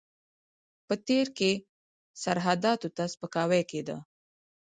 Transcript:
په تېر کې سرحداتو ته سپکاوی کېده.